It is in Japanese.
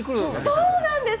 そうなんです！